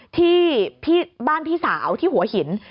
ที่บ้านพี่สาวที่หัวหิน